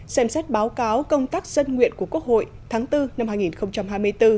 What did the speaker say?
xem xét báo cáo công tác dân nguyện của quốc hội tháng bốn năm hai nghìn hai mươi bốn